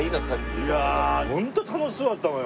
いやホント楽しそうだったのよ。